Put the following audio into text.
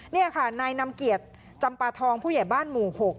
นี่ค่ะนายนำเกียรติจำปาทองผู้ใหญ่บ้านหมู่๖